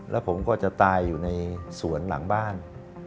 แล้วผมก็จะตายอยู่ในสวนหลังบ้าน